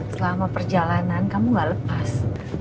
selama perjalanan kamu gak lepas